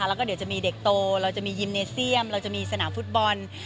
และจะมีเด็กโตจะมียิมเนเซียมมีสนามฟุตบอล